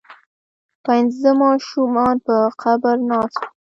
پنځه ماشومان په قبر ناست وو.